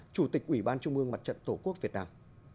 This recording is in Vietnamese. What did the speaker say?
chủ tịch ủy ban trung ương mặt trận tổ quốc việt nam